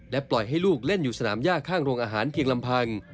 ปล่อยให้ลูกเล่นอยู่สนามย่าข้างโรงอาหารเพียงลำพัง